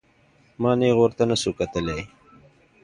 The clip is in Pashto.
ما نېغ ورته نسو کتلى.